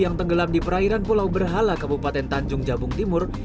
yang tenggelam di perairan pulau berhala kabupaten tanjung jabung timur